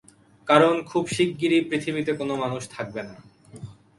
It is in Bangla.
কারণ, খুব শিগগিরই পৃথিবীতে কোনো মানুষ থাকবে না।